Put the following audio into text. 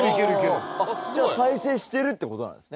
じゃあ再生してるってことなんですね。